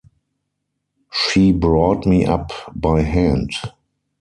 She brought me up by hand.